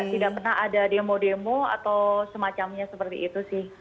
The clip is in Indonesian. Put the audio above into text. tidak pernah ada demo demo atau semacamnya seperti itu sih